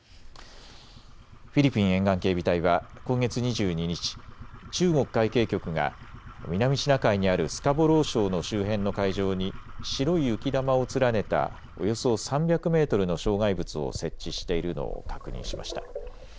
フィリピン沿岸警備隊は今月２２日、中国海警局が南シナ海にあるスカボロー礁の周辺の海上に白い浮き球を連ねたおよそ３００メートルの障害物を設置しているのを確認しました。